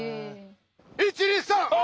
１２３オ！